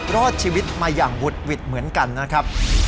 รอดชีวิตมาอย่างวุดหวิดเหมือนกันนะครับ